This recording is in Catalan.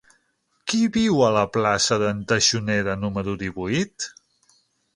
Qui viu a la plaça d'en Taxonera número divuit?